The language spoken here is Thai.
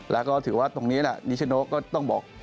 และก็ถือว่าตรงนี้นิชชะโน๊กก็ต้องบอก